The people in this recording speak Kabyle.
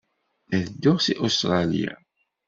Ad dduɣ seg Ustṛalya.